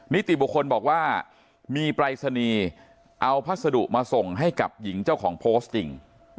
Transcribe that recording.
นิติบุคคลบอกว่ามีปรายศนีย์เอาพัสดุมาส่งให้กับหญิงเจ้าของโพสต์จริง